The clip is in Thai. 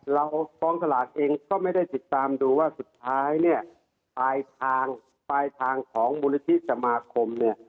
เรากองสลาดเองก็ไม่ได้ติดตามดูว่าสุดท้ายปลายทางของมูลนาทิตย์สมาคม